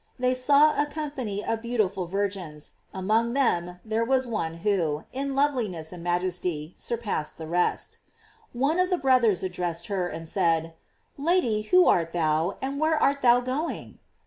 They saw a company of beautiful vir gins, and among them there was one who, in loveliness and majesty, surpassed the rest. One of the brothers addressed her, and said: "Lady, who art thou? and where art thou going?"